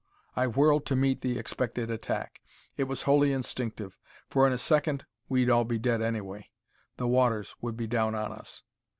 I whirled to meet the expected attack. It was wholly instinctive, for in a second we'd all be dead anyway. The waters would be down on us.